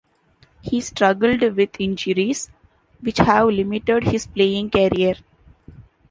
He struggled with injuries, which have limited his playing career.